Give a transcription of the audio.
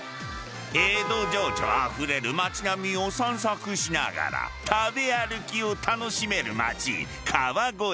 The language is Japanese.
江戸情緒あふれる町並みを散策しながら食べ歩きを楽しめる街川越。